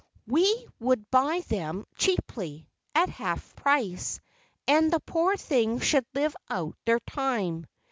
We would buy them cheaply, at half price, and the poor things should live out their time."